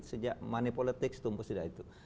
sejak manipolitik setumpu sudah itu